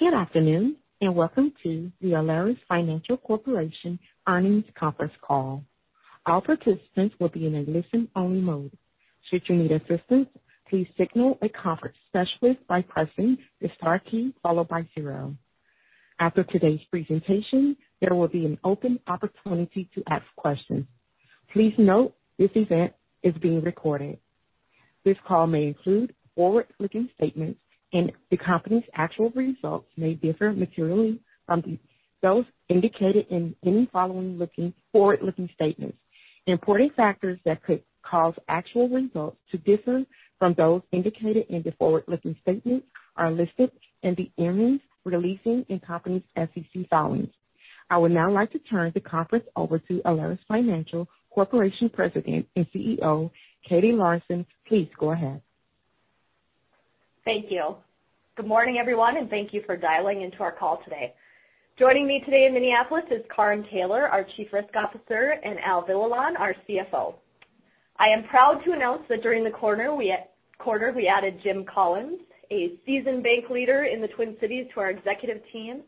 Good afternoon, and welcome to the Alerus Financial Corporation earnings conference call. All participants will be in a listen-only mode. Should you need assistance, please signal a conference specialist by pressing the star key followed by zero. After today's presentation, there will be an open opportunity to ask questions. Please note this event is being recorded. This call may include forward-looking statements, and the company's actual results may differ materially from those indicated in any forward-looking statements. Important factors that could cause actual results to differ from those indicated in the forward-looking statements are listed in the earnings release and the company's SEC filings. I would now like to turn the conference over to Alerus Financial Corporation President and CEO, Katie Lorenson. Please go ahead. Thank you. Good morning, everyone, and thank you for dialing into our call today. Joining me today in Minneapolis is Karin Taylor, our Chief Risk Officer, and Al Villalon, our CFO. I am proud to announce that during the quarter, we added Jim Collins, a seasoned bank leader in the Twin Cities, to our executive team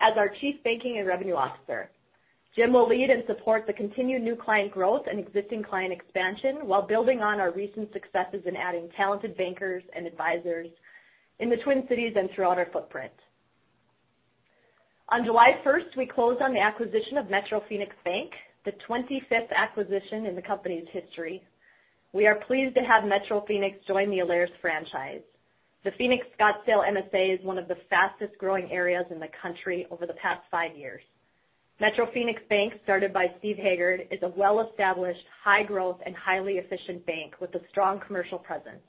as our Chief Banking and Revenue Officer. Jim will lead and support the continued new client growth and existing client expansion while building on our recent successes in adding talented bankers and advisors in the Twin Cities and throughout our footprint. On July first, we closed on the acquisition of Metro Phoenix Bank, the 25th acquisition in the company's history. We are pleased to have Metro Phoenix join the Alerus franchise. The Phoenix-Scottsdale MSA is one of the fastest-growing areas in the country over the past five years. Metro Phoenix Bank, started by Steve Haggard, is a well-established, high-growth, and highly efficient bank with a strong commercial presence.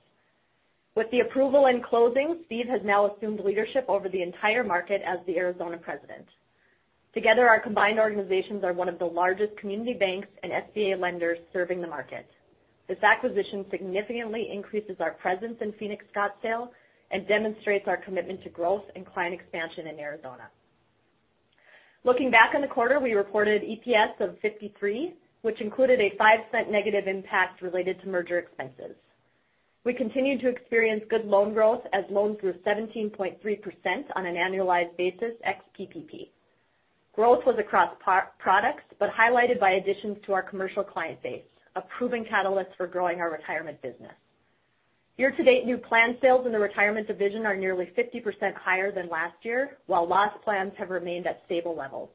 With the approval and closing, Steve has now assumed leadership over the entire market as the Arizona President. Together, our combined organizations are one of the largest community banks and SBA lenders serving the market. This acquisition significantly increases our presence in Phoenix-Scottsdale and demonstrates our commitment to growth and client expansion in Arizona. Looking back on the quarter, we reported EPS of $0.53, which included a $0.05 negative impact related to merger expenses. We continued to experience good loan growth as loans grew 17.3% on an annualized basis ex PPP. Growth was across our products, but highlighted by additions to our commercial client base, a proven catalyst for growing our retirement business. Year-to-date, new plan sales in the retirement division are nearly 50% higher than last year, while lost plans have remained at stable levels.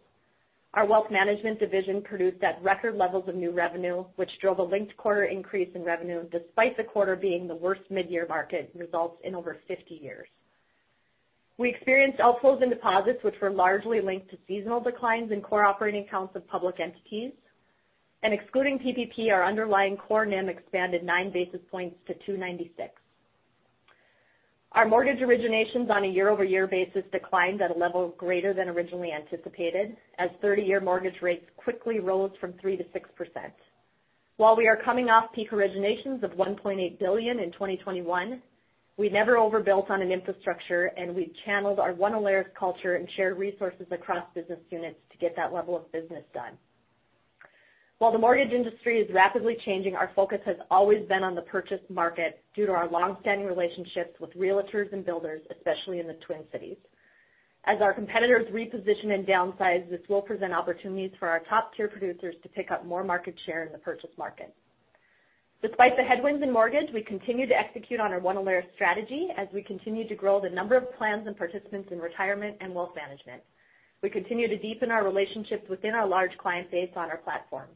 Our wealth management division produced at record levels of new revenue, which drove a linked quarter increase in revenue despite the quarter being the worst mid-year market results in over 50 years. We experienced outflows in deposits, which were largely linked to seasonal declines in core operating accounts of public entities. Excluding PPP, our underlying core NIM expanded 9 basis points to 2.96. Our mortgage originations on a year-over-year basis declined at a level greater than originally anticipated, as 30-year mortgage rates quickly rose from 3%-6%. While we are coming off peak originations of $1.8 billion in 2021, we never overbuilt on an infrastructure, and we channeled our one Alerus culture and shared resources across business units to get that level of business done. While the mortgage industry is rapidly changing, our focus has always been on the purchase market due to our long-standing relationships with realtors and builders, especially in the Twin Cities. As our competitors reposition and downsize, this will present opportunities for our top-tier producers to pick up more market share in the purchase market. Despite the headwinds in mortgage, we continue to execute on our one Alerus strategy as we continue to grow the number of plans and participants in retirement and wealth management. We continue to deepen our relationships within our large client base on our platform.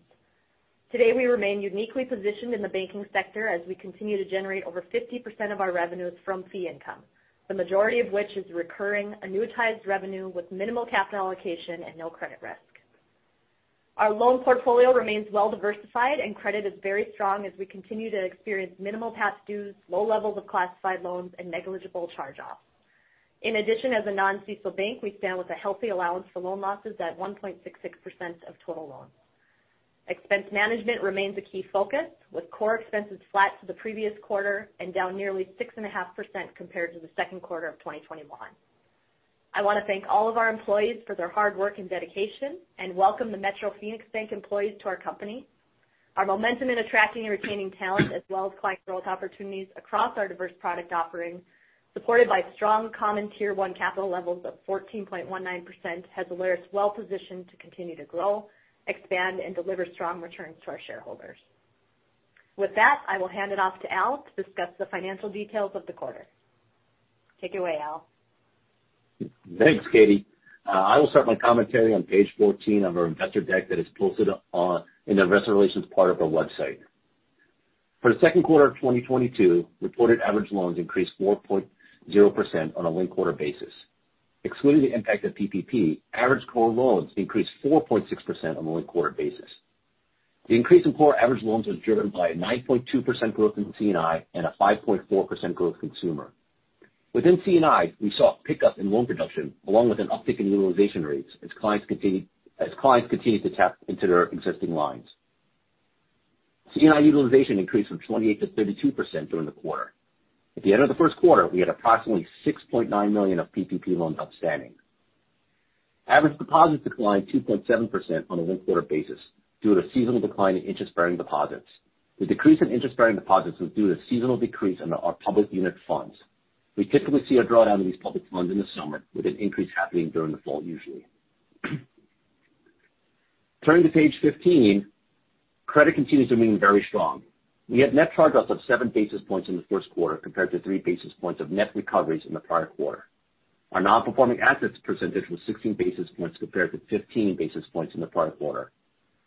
Today, we remain uniquely positioned in the banking sector as we continue to generate over 50% of our revenues from fee income, the majority of which is recurring annuitized revenue with minimal capital allocation and no credit risk. Our loan portfolio remains well-diversified, and credit is very strong as we continue to experience minimal past dues, low levels of classified loans, and negligible charge-offs. In addition, as a non-CECL bank, we stand with a healthy allowance for loan losses at 1.66% of total loans. Expense management remains a key focus, with core expenses flat to the previous quarter and down nearly 6.5% compared to the second quarter of 2021. I wanna thank all of our employees for their hard work and dedication and welcome the Metro Phoenix Bank employees to our company. Our momentum in attracting and retaining talent, as well as client growth opportunities across our diverse product offerings, supported by strong common Tier 1 capital levels of 14.19%, has Alerus well positioned to continue to grow, expand, and deliver strong returns to our shareholders. With that, I will hand it off to Al to discuss the financial details of the quarter. Take it away, Al. Thanks, Katie. I will start my commentary on page 14 of our investor deck that is posted in the investor relations part of our website. For the second quarter of 2022, reported average loans increased 4.0% on a linked quarter basis. Excluding the impact of PPP, average core loans increased 4.6% on a linked quarter basis. The increase in core average loans was driven by a 9.2% growth in C&I and a 5.4% growth in consumer. Within C&I, we saw a pickup in loan production along with an uptick in utilization rates as clients continued to tap into their existing lines. C&I utilization increased from 28% to 32% during the quarter. At the end of the first quarter, we had approximately $6.9 million of PPP loans outstanding. Average deposits declined 2.7% on a linked quarter basis due to seasonal decline in interest-bearing deposits. The decrease in interest-bearing deposits was due to seasonal decrease under our public funds. We typically see a drawdown of these public funds in the summer with an increase happening during the fall usually. Turning to page 15. Credit continues to remain very strong. We had net charge-offs of 7 basis points in the first quarter compared to 3 basis points of net recoveries in the prior quarter. Our non-performing assets percentage was 16 basis points compared to 15 basis points in the prior quarter,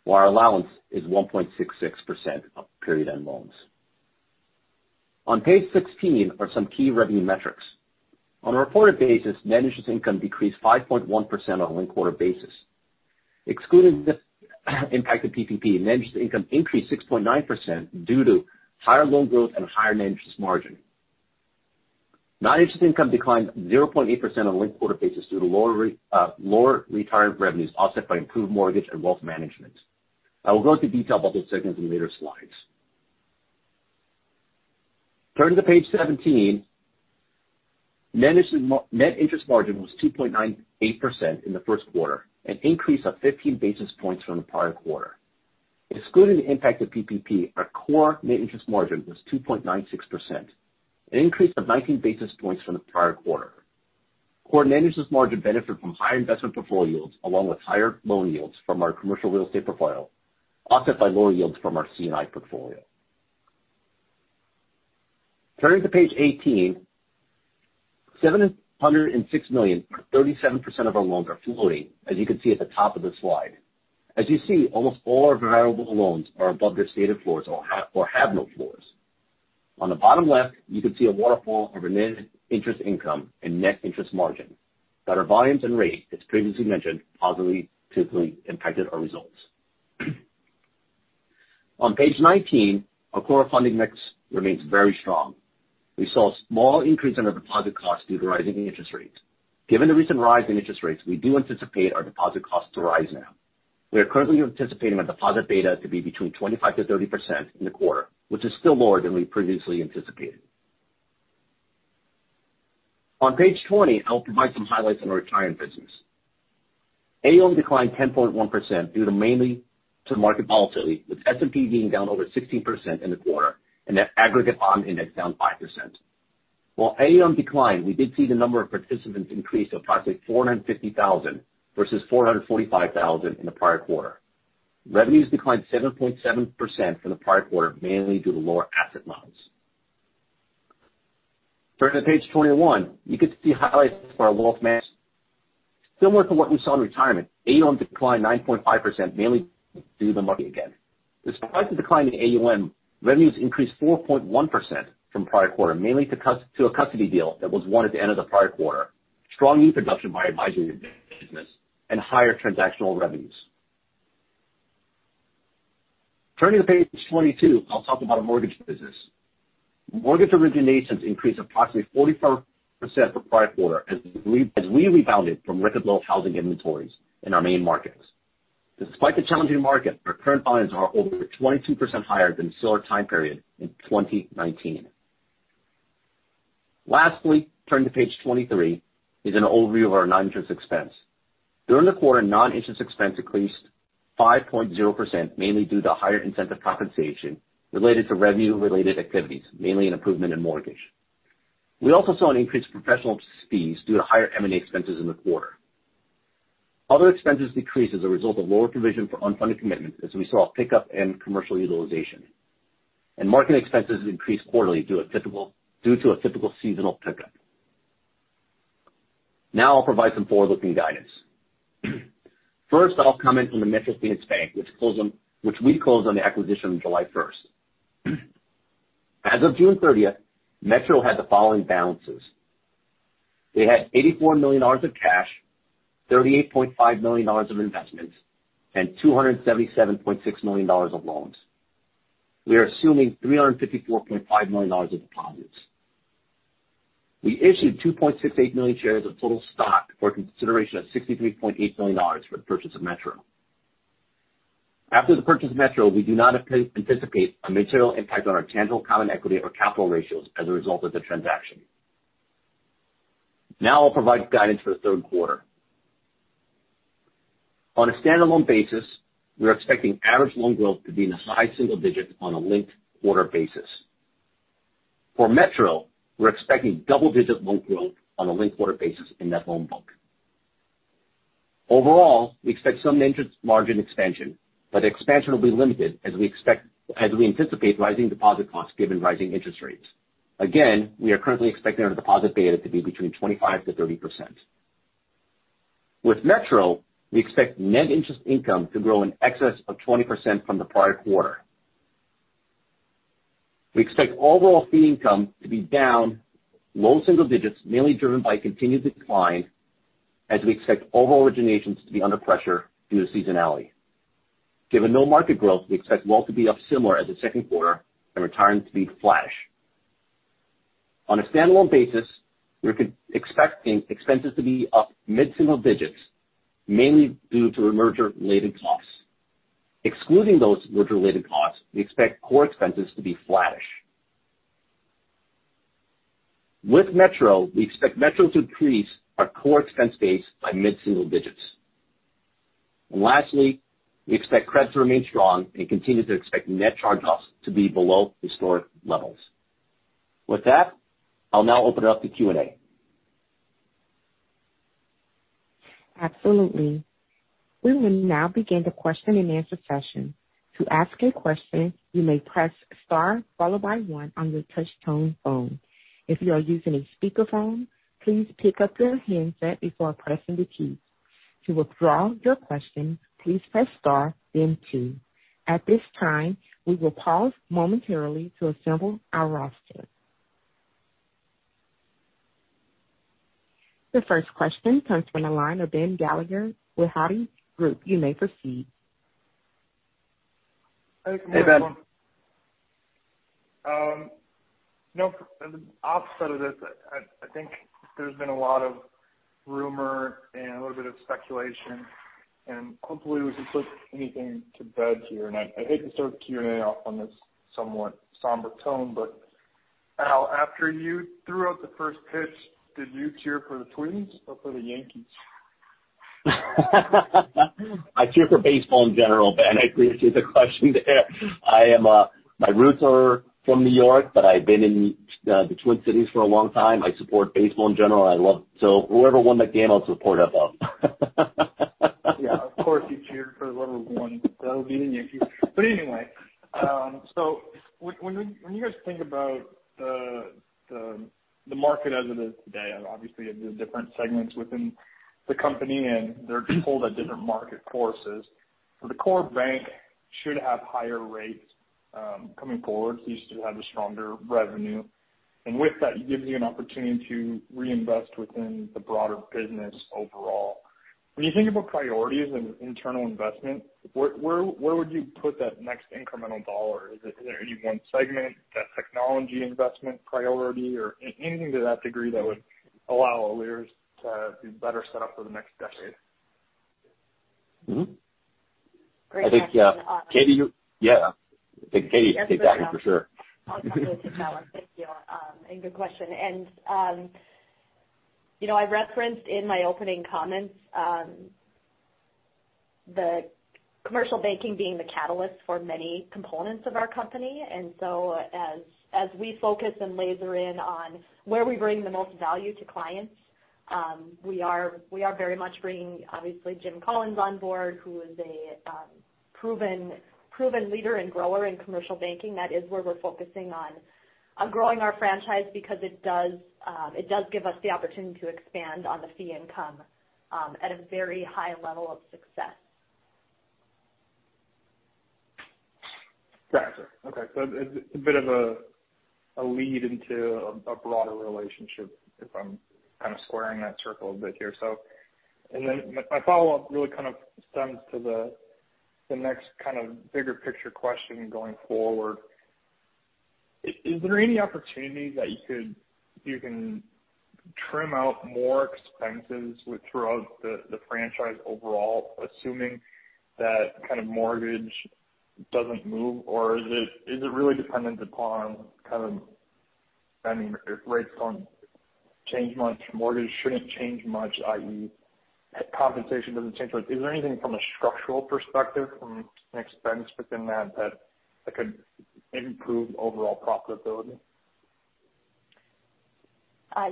while our allowance is 1.66% of period-end loans. On page 16 are some key revenue metrics. On a reported basis, net interest income decreased 5.1% on a linked quarter basis. Excluding the impact of PPP, net interest income increased 6.9% due to higher loan growth and higher net interest margin. Non-interest income declined 0.8% on a linked quarter basis due to lower retirement revenues offset by improved mortgage and wealth management. I will go into detail about those segments in later slides. Turning to page 17. Net interest margin was 2.98% in the first quarter, an increase of 15 basis points from the prior quarter. Excluding the impact of PPP, our core net interest margin was 2.96%, an increase of 19 basis points from the prior quarter. Core net interest margin benefited from higher investment portfolio yields along with higher loan yields from our commercial real estate portfolio, offset by lower yields from our C&I portfolio. Turning to page 18. $706 million, or 37% of our loans are floating, as you can see at the top of the slide. As you see, almost all our variable loans are above their stated floors or have no floors. On the bottom left, you can see a waterfall of our net interest income and net interest margin that our volumes and rate, as previously mentioned, positively typically impacted our results. On page 19, our core funding mix remains very strong. We saw a small increase in our deposit costs due to rising interest rates. Given the recent rise in interest rates, we do anticipate our deposit costs to rise now. We are currently anticipating our deposit beta to be between 25%-30% in the quarter, which is still lower than we previously anticipated. On page 20, I'll provide some highlights on our retirement business. AUM declined 10.1% due to mainly to market volatility, with S&P being down over 16% in the quarter and the aggregate bond index down 5%. While AUM declined, we did see the number of participants increase to approximately 450,000 versus 445,000 in the prior quarter. Revenues declined 7.7% from the prior quarter, mainly due to lower asset amounts. Turning to page 21, you can see highlights for our wealth management. Similar to what we saw in retirement, AUM declined 9.5%, mainly due to the market again. Despite the decline in AUM, revenues increased 4.1% from prior quarter, mainly due to a custody deal that was won at the end of the prior quarter. Strong new production by advisory business and higher transactional revenues. Turning to page 22, I'll talk about our mortgage business. Mortgage originations increased approximately 44% from prior quarter as we rebounded from record low housing inventories in our main markets. Despite the challenging market, our current volumes are over 22% higher than similar time period in 2019. Lastly, turning to page 23 is an overview of our non-interest expense. During the quarter, non-interest expense increased 5.0%, mainly due to higher incentive compensation related to revenue-related activities, mainly an improvement in mortgage. We also saw an increase in professional fees due to higher M&A expenses in the quarter. Other expenses decreased as a result of lower provision for unfunded commitments as we saw a pickup in commercial utilization. Marketing expenses increased quarterly due to a typical seasonal pickup. Now I'll provide some forward-looking guidance. First, I'll comment on the Metro Phoenix Bank, which we closed on the acquisition July first. As of June thirtieth, Metro had the following balances. They had $84 million of cash, $38.5 million of investments, and $277.6 million of loans. We are assuming $354.5 million of deposits. We issued 2.68 million shares of total stock for consideration of $63.8 million for the purchase of Metro. After the purchase of Metro, we do not anticipate a material impact on our tangible common equity or capital ratios as a result of the transaction. Now I'll provide guidance for the third quarter. On a standalone basis, we're expecting average loan growth to be in the high single digits% on a linked-quarter basis. For Metro, we're expecting double-digit loan growth on a linked quarter basis in that loan book. Overall, we expect some net interest margin expansion, but expansion will be limited as we anticipate rising deposit costs given rising interest rates. Again, we are currently expecting our deposit beta to be between 25%-30%. With Metro, we expect net interest income to grow in excess of 20% from the prior quarter. We expect overall fee income to be down low single digits, mainly driven by continued decline as we expect overall originations to be under pressure due to seasonality. Given no market growth, we expect wealth to be up similar as the second quarter and retirement to be flattish. On a standalone basis, we're expecting expenses to be up mid-single digits, mainly due to the merger-related costs. Excluding those merger-related costs, we expect core expenses to be flattish. With Metro, we expect Metro to increase our core expense base by mid-single digits. Lastly, we expect credit to remain strong and continue to expect net charge-offs to be below historic levels. With that, I'll now open it up to Q&A. Absolutely. We will now begin the question-and-answer session. To ask a question, you may press star followed by one on your touch-tone phone. If you are using a speakerphone, please pick up your handset before pressing the key. To withdraw your question, please press star then two. At this time, we will pause momentarily to assemble our roster. The first question comes from the line of Ben Gerlinger with Hovde Group. You may proceed. Hey, Ben. You know, the offset of this, I think there's been a lot of rumor and a little bit of speculation, and hopefully we can put anything to bed here. I hate to start the Q&A off on this somewhat somber tone, but Al, after you threw out the first pitch, did you cheer for the Twins or for the Yankees? I cheer for baseball in general, Ben. I appreciate the question there. I am, my roots are from New York, but I've been in the Twin Cities for a long time. I support baseball in general. Whoever won that game, I'll support them. Yeah, of course you cheered for whoever won. That would be an issue. Anyway, when you guys think about the market as it is today, obviously there are different segments within the company and they're pulled at different market forces. The core bank should have higher rates coming forward. You should have a stronger revenue. With that, it gives you an opportunity to reinvest within the broader business overall. When you think about priorities and internal investment, where would you put that next incremental dollar? Is it or in one segment, that technology investment priority or anything to that degree that would allow Alerus to be better set up for the next decade? Mm-hmm. Great question. I think, Katie, yeah. I think Katie can take that one for sure. I'll take it, Al. Thank you. Good question. You know, I referenced in my opening comments the commercial banking being the catalyst for many components of our company. As we focus and laser in on where we bring the most value to clients, we are very much bringing obviously Jim Collins on board, who is a proven leader and grower in commercial banking. That is where we're focusing on growing our franchise because it does give us the opportunity to expand on the fee income at a very high level of success. Got you. Okay. It's a bit of a lead into a broader relationship if I'm kind of squaring that circle a bit here. My follow-up really kind of stems to the next kind of bigger picture question going forward. Is there any opportunity that you can trim out more expenses throughout the franchise overall, assuming that kind of mortgage doesn't move? Or is it really dependent upon kind of spending rates don't change much, mortgage shouldn't change much, i.e., compensation doesn't change much. Is there anything from a structural perspective from an expense within that that could improve overall profitability?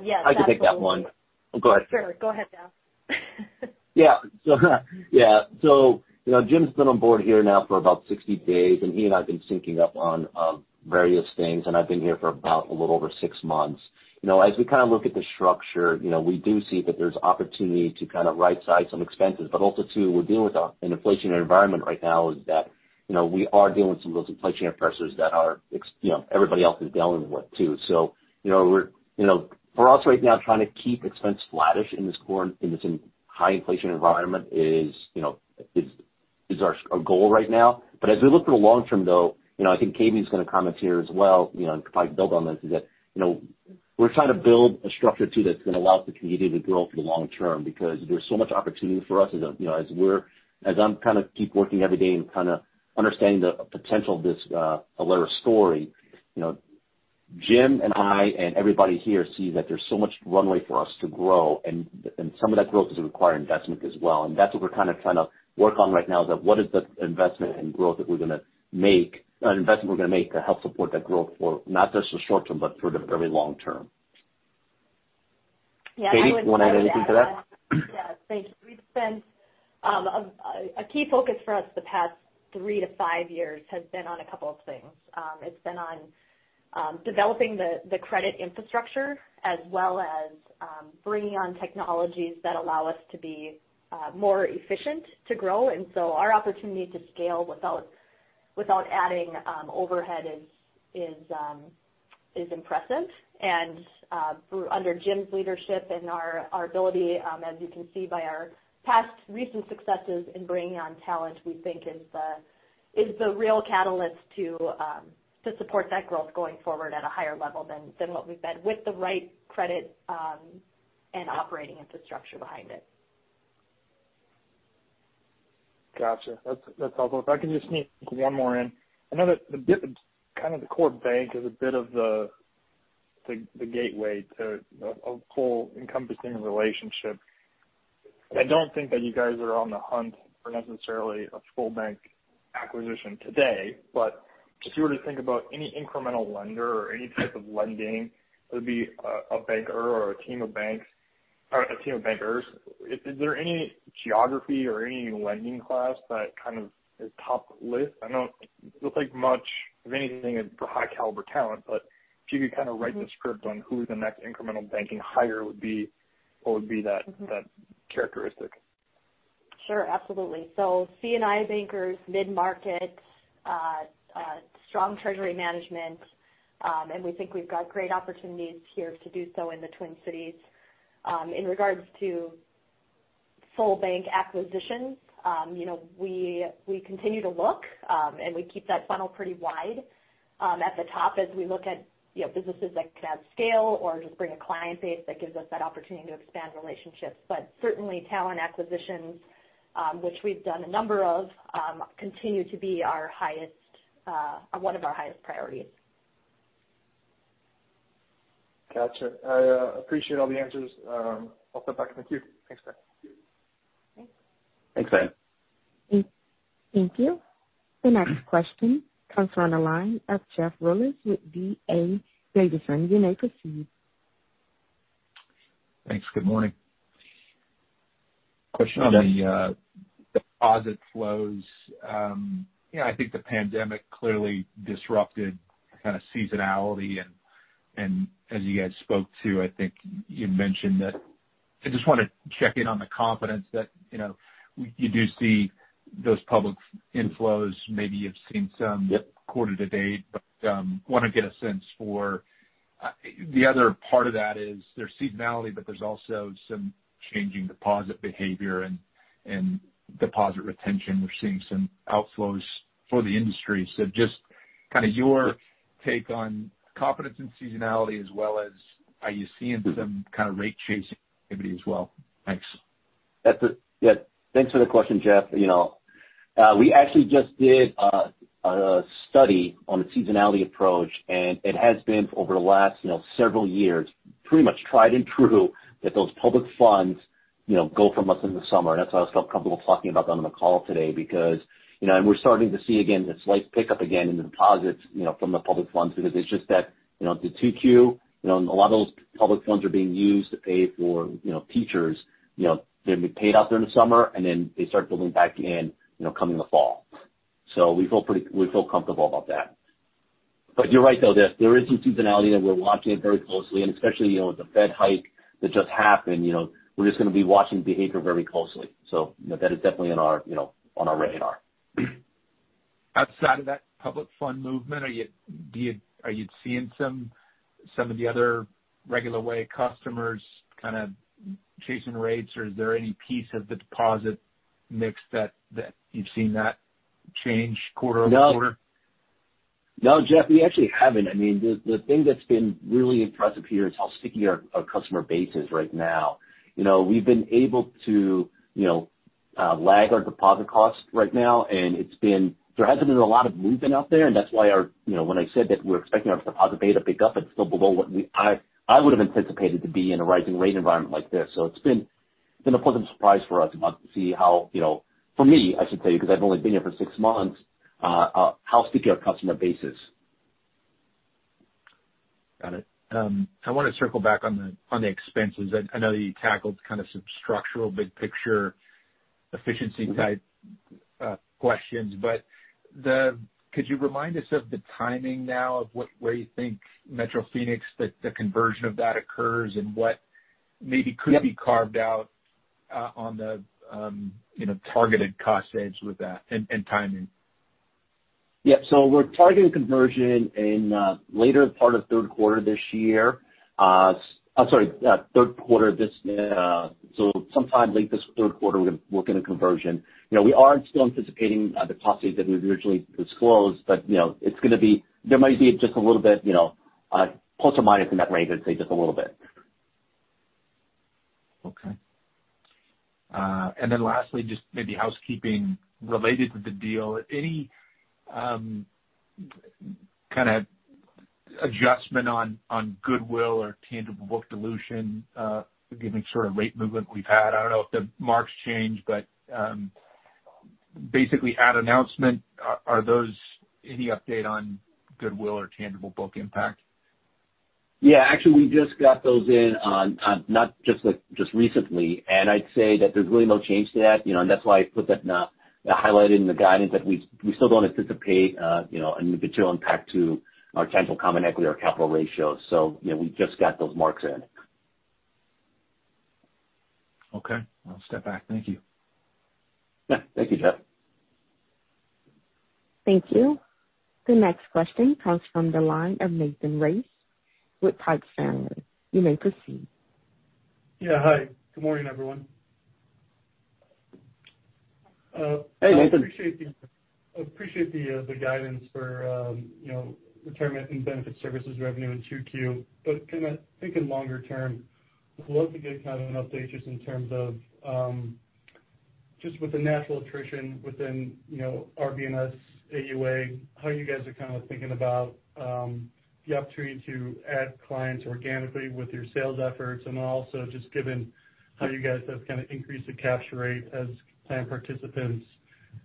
Yes. I can take that one. Go ahead. Sure. Go ahead, Al. You know, Jim's been on board here now for about 60 days, and he and I have been syncing up on various things, and I've been here for about a little over six months. You know, as we kind of look at the structure, you know, we do see that there's opportunity to kind of rightsize some expenses, but also too, we're dealing with an inflationary environment right now is that you know, we are dealing with some of those inflationary pressures that are you know, everybody else is dealing with too. You know, for us right now, trying to keep expense flattish in this core, high inflation environment is you know, our goal right now. As we look to the long term though, you know, I think Katie's going to comment here as well, you know, and probably build on this, is that, you know, we're trying to build a structure too that's going to allow us the community to grow for the long term because there's so much opportunity for us as a you know, as I'm kind of keep working every day and kind of understanding the potential of this, Alerus story. You know, Jim and I and everybody here see that there's so much runway for us to grow and some of that growth is require investment as well. That's what we're kind of trying to work on right now is that what is the investment we're gonna make to help support that growth for not just the short term but for the very long term. Yeah. I would say that. Katie, you wanna add anything to that? Yeah. Thank you. A key focus for us the past three to five years has been on a couple of things. It's been on developing the credit infrastructure as well as bringing on technologies that allow us to be more efficient to grow. Our opportunity to scale without adding overhead is impressive. Under Jim's leadership and our ability, as you can see by our past recent successes in bringing on talent, we think is the real catalyst to support that growth going forward at a higher level than what we've been with the right credit and operating infrastructure behind it. Gotcha. That's helpful. If I can just sneak one more in. I know that kind of the core bank is a bit of the gateway to a full encompassing relationship. I don't think that you guys are on the hunt for necessarily a full bank acquisition today. But if you were to think about any incremental lender or any type of lending, whether it be a banker or a team of banks or a team of bankers, is there any geography or any lending class that kind of is top of the list? I know it looks like much of anything is for high caliber talent, but if you could kind of write the script on who the next incremental banking hire would be, what would be that characteristic? Sure. Absolutely. C&I bankers, mid-market, strong treasury management, and we think we've got great opportunities here to do so in the Twin Cities. In regards to full bank acquisitions, you know, we continue to look, and we keep that funnel pretty wide at the top as we look at, you know, businesses that can add scale or just bring a client base that gives us that opportunity to expand relationships. Certainly talent acquisitions, which we've done a number of, continue to be one of our highest priorities. Gotcha. I appreciate all the answers. I'll step back. Thank you. Thanks, Ben. Thanks. Thanks, Ben. Thank you. The next question comes from the line of Jeff Rulis with D.A. Davidson. You may proceed. Thanks. Good morning. Question on the deposit flows. You know, I think the pandemic clearly disrupted kind of seasonality and as you guys spoke to, I think you mentioned that I just wanna check in on the confidence that, you know, you do see those public inflows. Maybe you've seen some quarter to date, but wanna get a sense for the other part of that is there's seasonality, but there's also some changing deposit behavior and deposit retention. We're seeing some outflows for the industry. Just kind of your take on confidence and seasonality as well as are you seeing some kind of rate chasing activity as well? Thanks. Yeah, thanks for the question, Jeff. You know, we actually just did a study on the seasonality approach, and it has been over the last, you know, several years, pretty much tried and true that those public funds, you know, go from us in the summer. That's why I felt comfortable talking about that on the call today because, you know, we're starting to see again the slight pickup in the deposits, you know, from the public funds because it's just that, you know, the 2Q, you know, a lot of those public funds are being used to pay for, you know, teachers. You know, they're being paid out during the summer, and then they start building back in, you know, coming the fall. We feel comfortable about that. You're right, though, that there is some seasonality and we're watching it very closely. Especially, you know, with the Fed hike that just happened, you know, we're just gonna be watching behavior very closely. You know, that is definitely on our, you know, on our radar. Outside of that public fund movement, are you seeing some of the other regular way customers kind of chasing rates? Or is there any piece of the deposit mix that you've seen that change quarter-over-quarter? No. No, Jeff, we actually haven't. I mean, the thing that's been really impressive here is how sticky our customer base is right now. You know, we've been able to, you know, lag our deposit costs right now, and it's been. There hasn't been a lot of movement out there, and that's why, you know, when I said that we're expecting our deposit beta to pick up, it's still below what I would have anticipated to be in a rising rate environment like this. It's been a pleasant surprise for us about to see how, you know, for me, I should tell you, because I've only been here for six months, how sticky our customer base is. Got it. I want to circle back on the expenses. I know you tackled kind of some structural big picture efficiency type questions. Could you remind us of the timing now of where you think Metro Phoenix Bank that the conversion of that occurs and what maybe could be carved out on the you know targeted cost saves with that and timing? We're targeting conversion in the later part of third quarter this year. Sometime late this third quarter, we're gonna conversion. You know, we are still anticipating the cost saves that we've originally disclosed, but you know, it's gonna be. There might be just a little bit, you know, plus or minus in that range, I'd say just a little bit. Okay. Lastly, just maybe housekeeping related to the deal. Any kind of adjustment on goodwill or tangible book dilution, given sort of rate movement we've had? I don't know if the marks change, but basically at announcement, is there any update on goodwill or tangible book impact? Yeah, actually, we just got those in just recently, and I'd say that there's really no change to that, you know, and that's why I put that highlighted in the guidance that we still don't anticipate, you know, any material impact to our tangible common equity or capital ratios. You know, we just got those marks in. Okay. I'll step back. Thank you. Yeah. Thank you, Jeff. Thank you. The next question comes from the line of Nathan Race with Piper Sandler. You may proceed. Yeah, hi. Good morning, everyone. Hey, Nathan. I appreciate the I appreciate the guidance for you know retirement and benefit services revenue in 2Q. But thinking in longer term, I'd love to get kind of an update just in terms of just with the natural attrition within you know our AUM, AUA, how you guys are kind of thinking about the opportunity to add clients organically with your sales efforts. Then also just given how you guys have kind of increased the capture rate as plan participants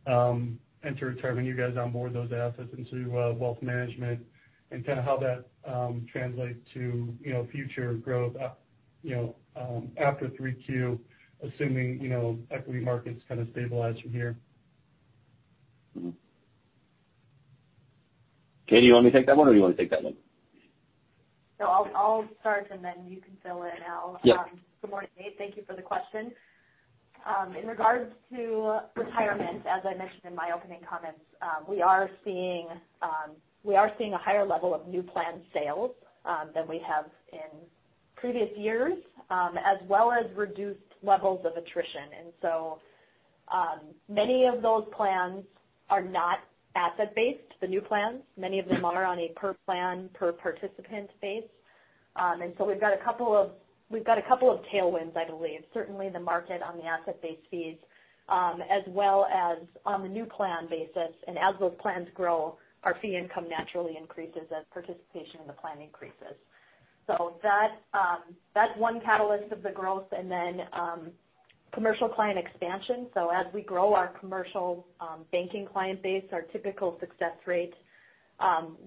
enter retirement, you guys onboard those assets into wealth management, and kind of how that translates to you know future growth you know after 3Q, assuming you know equity markets kind of stabilize from here? Katie, you want me to take that one or you wanna take that one? No, I'll start, and then you can fill in, Al. Yeah. Good morning, Nate. Thank you for the question. In regards to retirement, as I mentioned in my opening comments, we are seeing a higher level of new plan sales than we have in previous years, as well as reduced levels of attrition. Many of those plans are not asset-based, the new plans. Many of them are on a per plan, per participant base. We've got a couple of tailwinds, I believe, certainly the market on the asset-based fees, as well as on the new plan basis. As those plans grow, our fee income naturally increases as participation in the plan increases. That, that's one catalyst of the growth. Commercial plan expansion. As we grow our commercial banking client base, our typical success rate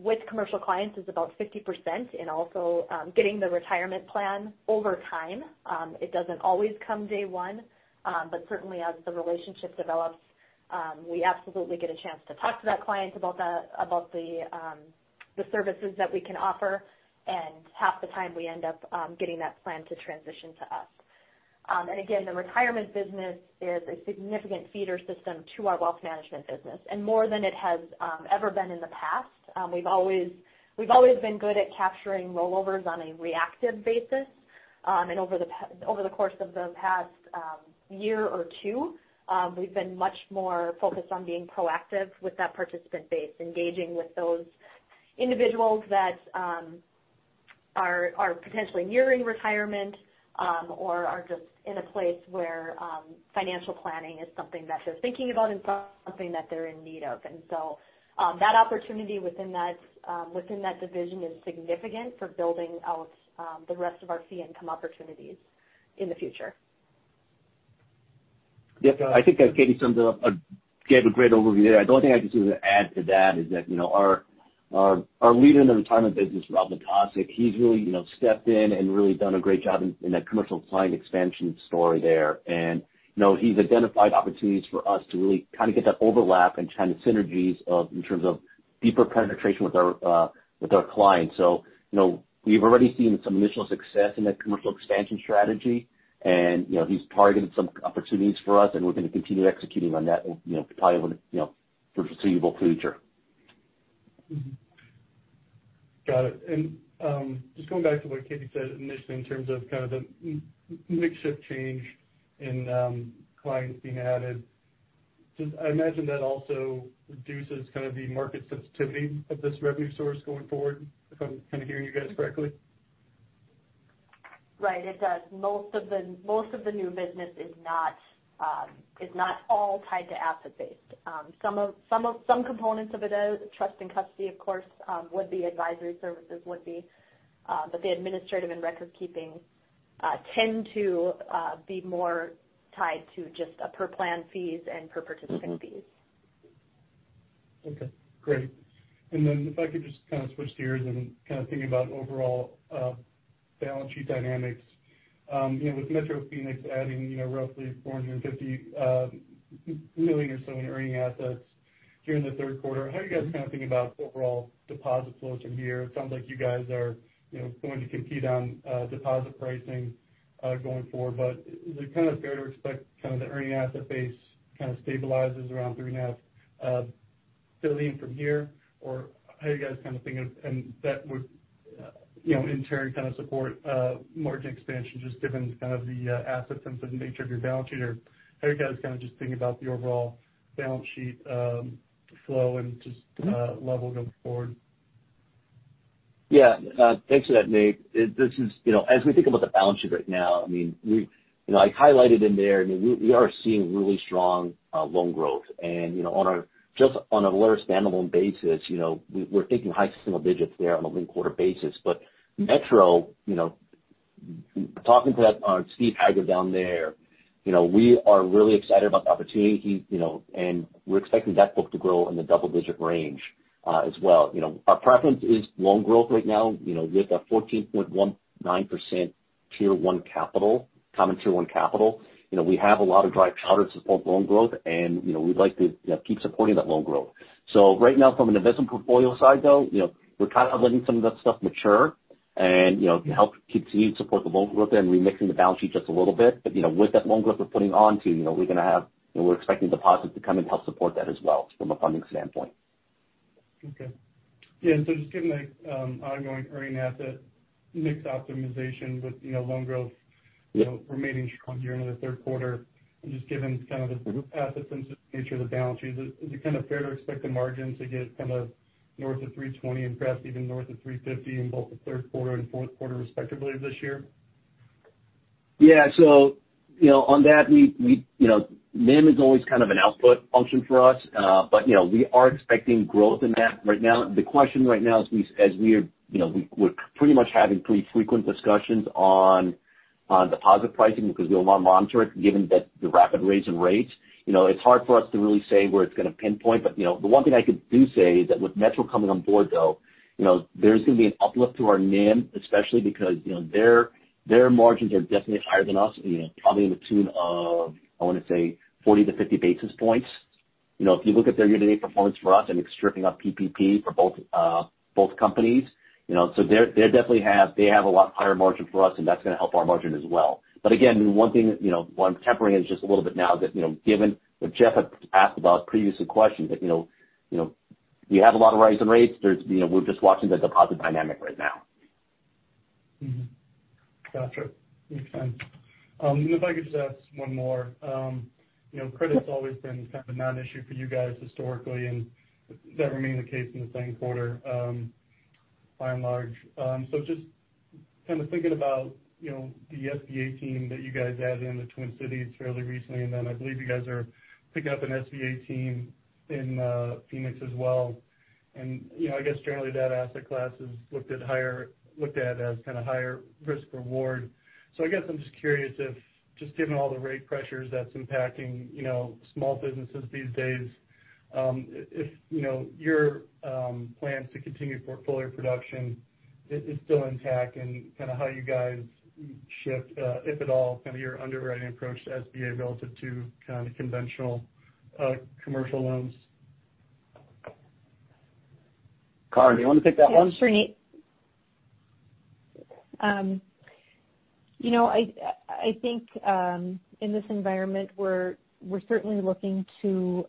with commercial clients is about 50%. Also, getting the retirement plan over time, it doesn't always come day one. Certainly as the relationship develops, we absolutely get a chance to talk to that client about the services that we can offer, and half the time we end up getting that plan to transition to us. Again, the retirement business is a significant feeder system to our wealth management business, and more than it has ever been in the past. We've always been good at capturing rollovers on a reactive basis. Over the course of the past year or two, we've been much more focused on being proactive with that participant base, engaging with those individuals that are potentially nearing retirement or are just in a place where financial planning is something that they're thinking about and something that they're in need of. That opportunity within that division is significant for building out the rest of our fee income opportunities in the future. Yeah. I think, as Katie summed it up, gave a great overview there. The only thing I can do to add to that is that, you know, our leader in the retirement business, Forrest Wilson, he's really, you know, stepped in and really done a great job in that commercial client expansion story there. You know, he's identified opportunities for us to really kind of get that overlap and kind of synergies of, in terms of deeper penetration with our clients. You know, we've already seen some initial success in that commercial expansion strategy. You know, he's targeted some opportunities for us, and we're gonna continue executing on that, you know, probably, you know, for foreseeable future. Mm-hmm. Got it. Just going back to what Katie said initially in terms of kind of the mix of change and clients being added. Just, I imagine that also reduces kind of the market sensitivity of this revenue source going forward, if I'm kind of hearing you guys correctly. Right. It does. Most of the new business is not all tied to asset base. Some components of it is. Trust and custody, of course, would be. Advisory services would be. But the administrative and record keeping tend to be more tied to just per plan fees and per participant fees. Okay. Great. Then if I could just kind of switch gears and kind of think about overall balance sheet dynamics. You know, with Metro Phoenix adding, you know, roughly $450 million or so in earning assets during the third quarter, how are you guys kind of thinking about overall deposit flows from here? It sounds like you guys are, you know, going to compete on deposit pricing going forward. But is it kind of fair to expect kind of the earning asset base kind of stabilizes around $3.5 billion from here? Or how are you guys kind of thinking? That would, you know, in turn kind of support margin expansion just given kind of the assets and sort of nature of your balance sheet? How are you guys kind of just thinking about the overall balance sheet, flow and just level going forward? Yeah. Thanks for that, Nate. This is, you know, as we think about the balance sheet right now, I mean, we, you know, I highlighted in there, I mean, we are seeing really strong loan growth. You know, just on a stand-alone basis, you know, we're thinking high single digits there on a linked quarter basis. Metro, you know, talking to that Steve Haggard down there, you know, we are really excited about the opportunity he, you know, and we're expecting that book to grow in the double-digit range, as well. You know, our preference is loan growth right now. You know, we have that 14.19% Tier 1 capital, common Tier 1 capital. You know, we have a lot of dry powder to support loan growth and, you know, we'd like to, you know, keep supporting that loan growth. Right now from an investment portfolio side though, you know, we're kind of letting some of that stuff mature and, you know, help continue to support the loan growth there and remixing the balance sheet just a little bit. You know, with that loan growth we're putting on to, you know, we're gonna have, you know, we're expecting deposits to come and help support that as well from a funding standpoint. Okay. Yeah. Just given the ongoing earning asset mix optimization with, you know, loan growth- Yeah. Remaining strong here into the third quarter and just given kind of the growth in assets and the nature of the balance sheet, is it kind of fair to expect the margin to get kind of north of 3.20% and perhaps even north of 3.50% in both the third quarter and fourth quarter respectively this year? You know, on that we, you know, NIM is always kind of an output function for us. You know, we are expecting growth in that right now. The question right now as we are, you know, we're pretty much having pretty frequent discussions on deposit pricing because we'll monitor it given the rapid rise in rates. You know, it's hard for us to really say where it's gonna pinpoint. You know, the one thing I can say is that with Metro coming on board, though, you know, there's gonna be an uplift to our NIM, especially because, you know, their margins are definitely higher than us, you know, probably in the tune of, I wanna say 40-50 basis points. You know, if you look at their year-to-date performance for us and stripping out PPP for both companies, you know, so they definitely have a lot higher margin for us and that's gonna help our margin as well. Again, one thing, you know, what I'm tempering is just a little bit now that, you know, given what Jeff had asked about previous questions that, you know, we have a lot of rise in rates. There's, you know, we're just watching the deposit dynamic right now. Gotcha. Makes sense. If I could just ask one more. You know, credit's always been kind of a non-issue for you guys historically, and that remained the case in the same quarter, by and large. Just kind of thinking about, you know, the SBA team that you guys added in the Twin Cities fairly recently, and then I believe you guys are picking up an SBA team in Phoenix as well. You know, I guess generally that asset class is looked at as kind of higher risk reward. I'm just curious if, just given all the rate pressures that's impacting, you know, small businesses these days, if, you know, your plans to continue portfolio production is still intact and kind of how you guys shift, if at all, kind of your underwriting approach to SBA relative to kind of conventional commercial loans. Karin, do you wanna take that one? Yeah, sure, Nate. You know, I think in this environment, we're certainly looking to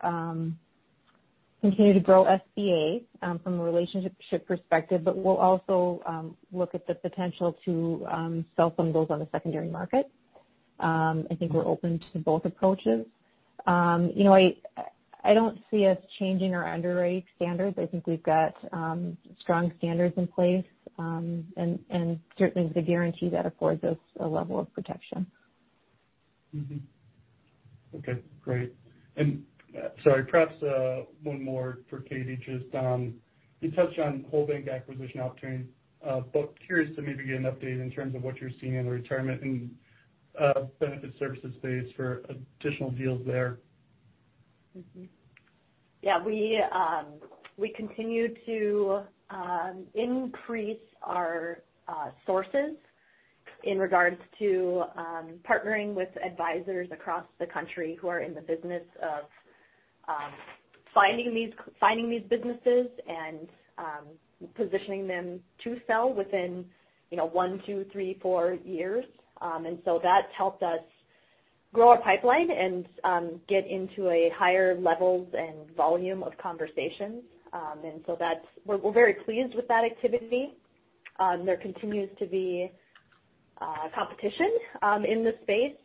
continue to grow SBA from a relationship perspective, but we'll also look at the potential to sell some of those on the secondary market. I think we're open to both approaches. You know, I don't see us changing our underwriting standards. I think we've got strong standards in place, and certainly the guarantee that affords us a level of protection. Mm-hmm. Okay, great. Sorry, perhaps, one more for Katie. Just, you touched on whole bank acquisition opportunities, but curious to maybe get an update in terms of what you're seeing in the retirement and benefit services space for additional deals there. We continue to increase our sources in regards to partnering with advisors across the country who are in the business of finding these businesses and positioning them to sell within, you know, one, two, three, four years. That's helped us grow our pipeline and get into a higher levels and volume of conversations. We're very pleased with that activity. There continues to be competition in this space,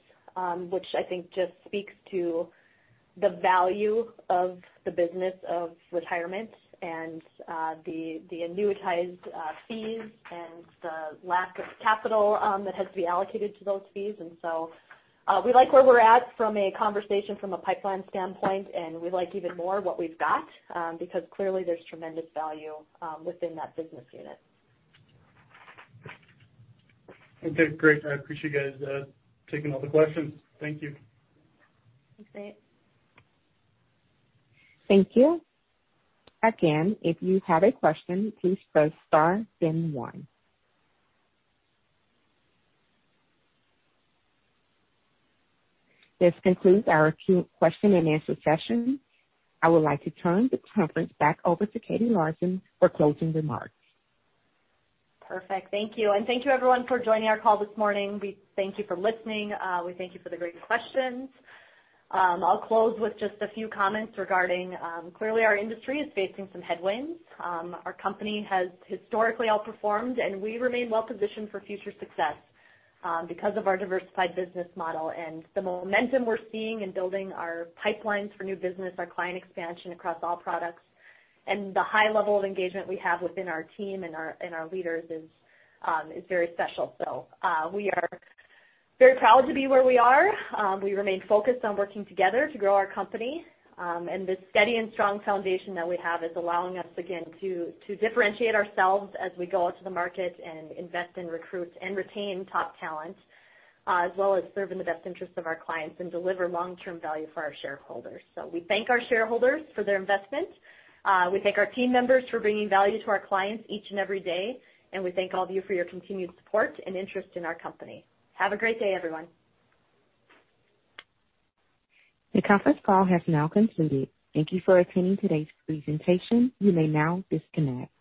which I think just speaks to the value of the business of retirement and the annuitized fees and the lack of capital that has to be allocated to those fees. We like where we're at from a conversation from a pipeline standpoint, and we like even more what we've got, because clearly there's tremendous value within that business unit. Okay, great. I appreciate you guys taking all the questions. Thank you. Thanks, Nate. Thank you. Again, if you have a question, please press star then one. This concludes our question and answer session. I would like to turn the conference back over to Katie Lorenson for closing remarks. Perfect. Thank you. Thank you everyone for joining our call this morning. We thank you for listening. We thank you for the great questions. I'll close with just a few comments regarding clearly our industry is facing some headwinds. Our company has historically outperformed, and we remain well positioned for future success because of our diversified business model and the momentum we're seeing in building our pipelines for new business, our client expansion across all products, and the high level of engagement we have within our team and our leaders is very special. We are very proud to be where we are. We remain focused on working together to grow our company. The steady and strong foundation that we have is allowing us again to differentiate ourselves as we go out to the market and invest in recruits and retain top talent, as well as serve in the best interest of our clients and deliver long-term value for our shareholders. We thank our shareholders for their investment. We thank our team members for bringing value to our clients each and every day, and we thank all of you for your continued support and interest in our company. Have a great day, everyone. The conference call has now concluded. Thank you for attending today's presentation. You may now disconnect.